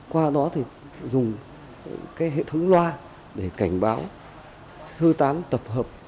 qua đó thì dùng cái hệ thống loa để cảnh báo sơ tán tập hợp